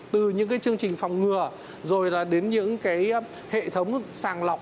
từ những cái chương trình phòng ngừa rồi là đến những cái hệ thống sàng lọc